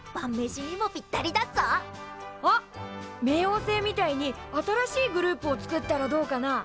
冥王星みたいに新しいグループを作ったらどうかな？